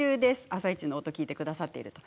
「あさイチ」の音を聞いてくださっていると。